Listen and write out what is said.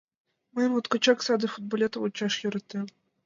— Мый моткочак саде футболетым ончаш йӧратем.